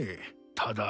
ただ。